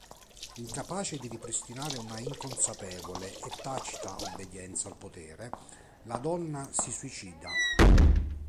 Incapace di ripristinare una "inconsapevole" e tacita obbedienza al potere, la "Donna" si suicida.